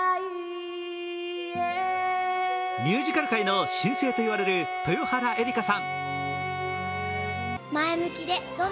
ミュージカル界の新星と言われる豊原江理佳さん。